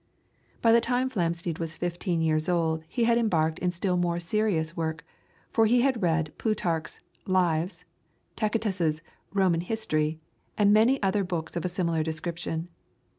By the time Flamsteed was fifteen years old he had embarked in still more serious work, for he had read Plutarch's "Lives," Tacitus' "Roman History," and many other books of a similar description.